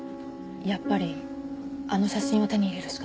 やっぱりあの写真を手に入れるしかないわ。